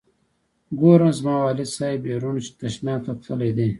ګورم زما والد صاحب بیرون تشناب ته تللی دی.